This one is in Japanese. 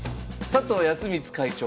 佐藤康光会長。